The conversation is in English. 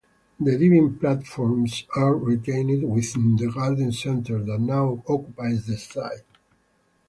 The diving platforms are retained within the garden centre that now occupies the site.